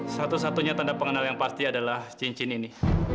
satu satunya tanda pengenal yang pasti adalah cincin ini